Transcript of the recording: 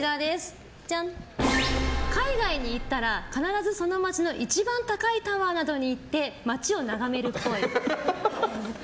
海外に行ったら必ずその街の一番高いタワーなどに行って街を眺めるっぽい。